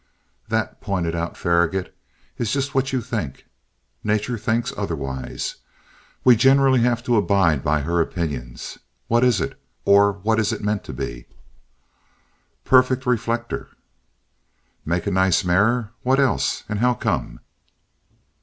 "That," pointed out Faragaut, "is just what you think. Nature thinks otherwise. We generally have to abide by her opinions. What is it or what is it meant to be?" "Perfect reflector." "Make a nice mirror. What else, and how come?"